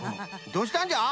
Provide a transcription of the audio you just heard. どうしたんじゃ？